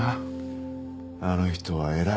あの人は偉い。